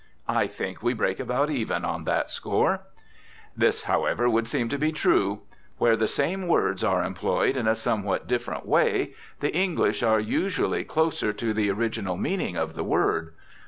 I think we break about even on that score. This, however, would seem to be true: where the same words are employed in a somewhat different way the English are usually closer to the original meaning of the word.